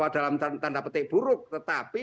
dalam tanda petik buruk tetapi